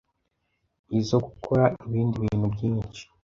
izo gukora ibindi bintu byinshi,